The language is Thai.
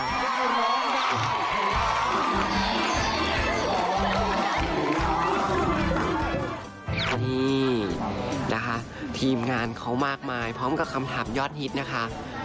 นี่นะคะทีมงานเขามากมายพร้อมกับคำถามยอดฮิตนะคะ